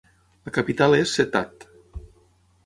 La capital és Settat.